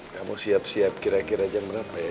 kamu siap siap kira kira jam berapa ya